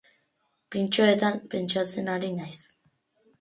Pintxoetan pentsatzen ari naiz.